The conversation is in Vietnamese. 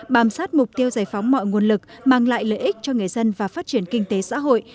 bám sát mục tiêu giải phóng mọi nguồn lực mang lại lợi ích cho người dân và phát triển kinh tế xã hội